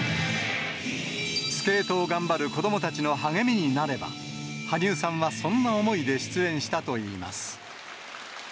スケートを頑張る子どもたちの励みになれば、羽生さんはそんな思いで出演したといいます。